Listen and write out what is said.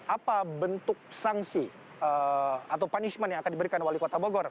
apa bentuk sanksi atau punishment yang akan diberikan wali kota bogor